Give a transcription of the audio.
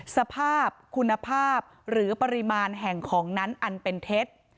สภาพคุณภาพหรือปริมาณแห่งของนั้นอันเป็นเท็จ